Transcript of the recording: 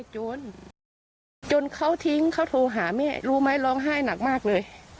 จนจนเขาทิ้งเขาโทรหาแม่รู้ไหมร้องไห้หนักมากเลย